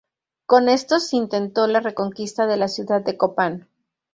Con estos intento la reconquista de la ciudad de Copan.